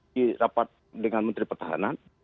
di rapat dengan menteri pertahanan